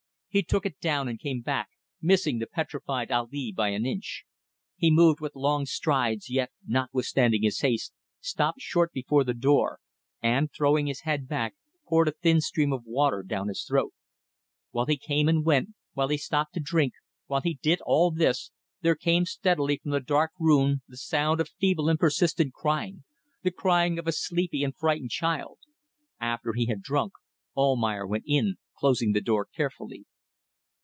He took it down and came back, missing the petrified Ali by an inch. He moved with long strides, yet, notwithstanding his haste, stopped short before the door, and, throwing his head back, poured a thin stream of water down his throat. While he came and went, while he stopped to drink, while he did all this, there came steadily from the dark room the sound of feeble and persistent crying, the crying of a sleepy and frightened child. After he had drunk, Almayer went in, closing the door carefully.